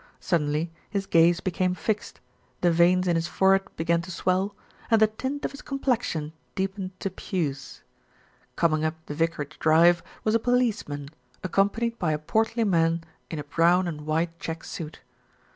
Suddenly his gaze became fixed, the veins in his fore head began to swell, and the tint of his complexion 328 MR. GADGETT TELLS THE TRUTH 327 deepened to puce. Coming up the vicarage drive was a policeman, accompanied by a portly man in a brown and white check suit.